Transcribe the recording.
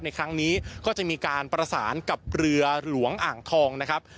ในครั้งนี้ก็จะมีการประสานกับเรือหลวงอ่างทองนะครับ